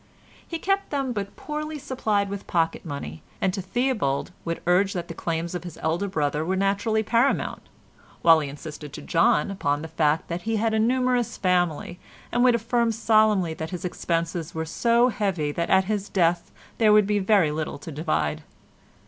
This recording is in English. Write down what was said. He kept them but poorly supplied with pocket money, and to Theobald would urge that the claims of his elder brother were naturally paramount, while he insisted to John upon the fact that he had a numerous family, and would affirm solemnly that his expenses were so heavy that at his death there would be very little to divide.